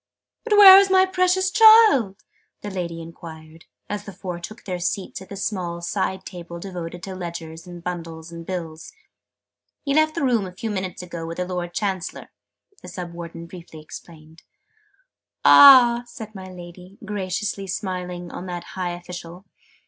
"But where is my precious child?" my Lady enquired, as the four took their seats at the small side table devoted to ledgers and bundles and bills. "He left the room a few minutes ago with the Lord Chancellor," the Sub Warden briefly explained. "Ah!" said my Lady, graciously smiling on that high official.